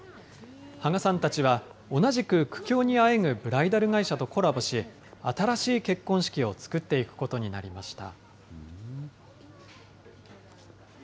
芳賀さんたちは、同じく苦境にあえぐブライダル会社とコラボし、新しい結婚式を作っていくことになりました。